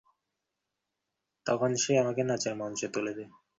Hasina Ahmed visa পেয়ে গতকাল রাতে শিলংয়ের উদ্দেশে ঢাকা ছাড়েন।